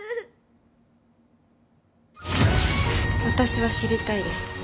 私は知りたいです